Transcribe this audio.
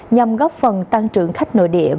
nhằm góp phần tăng trưởng khách nội địa